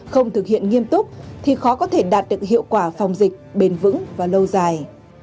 không thực hiện nghiêm túc thì khó có thể đạt được hiệu quả phòng dịch bền vững và lâu dài